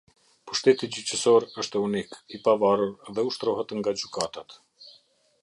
Pushteti gjyqësor është unik, i pavarur dhe ushtrohet nga gjykatat.